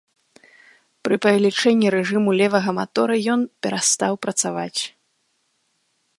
Пры павелічэнні рэжыму левага матора ён перастаў працаваць.